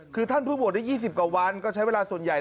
คือท่านเพิ่งบวชได้๒๐กว่าวันก็ใช้เวลาส่วนใหญ่